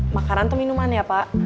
makanan atau minuman ya pak